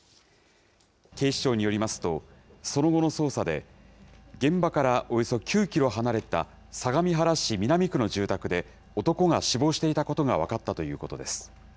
警視庁によりますと、その後の捜査で、現場からおよそ９キロ離れた相模原市南区の住宅で、男が死亡していたことが分かったということです。